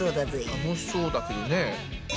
楽しそうだけどね。